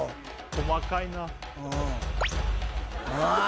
細かいなあ